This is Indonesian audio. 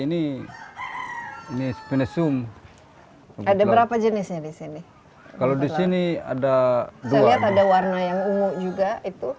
ini ini ada berapa jenisnya di sini kalau di sini ada saya lihat ada warna yang ungu juga itu